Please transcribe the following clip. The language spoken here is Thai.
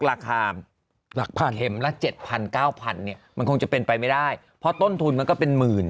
ราคาผ่านเค็มเรื่อง๗๐๐๐๙๐๐๐เนี่ยมันคงจะเป็นไปไมด้พอต้นทุนนะก็เป็นหมื่น